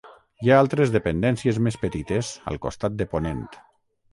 Hi ha altres dependències més petites al costat de ponent.